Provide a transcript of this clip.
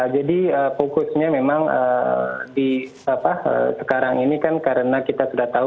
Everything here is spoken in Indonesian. jadi fokusnya memang di apa sekarang ini kan karena kita sudah tahu